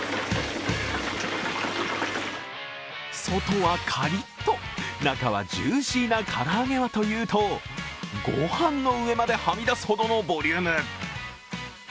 外はカリッと、中はジューシーな唐揚げはというと、御飯の上まではみ出すほどのボリューム。